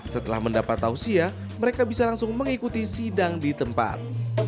setelah mendapat tausia mereka bisa langsung mengikuti sidang di tempat